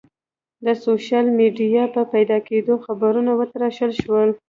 د سوشل میډیا په پیدا کېدو خبرونه وتراشل شول.